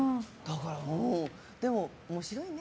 でも、面白いね。